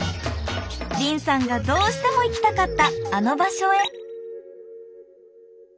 凜さんがどうしても行きたかったあの場所へ。